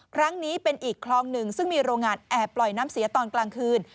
ครั้งนี้เป็นอีกคลองหนึ่งซึ่งมีโรงงานแอบปล่อยน้ำเสียตอนกลางคืน